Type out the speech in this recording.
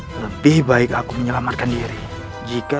lebih baik aku menyelamatkan diri jika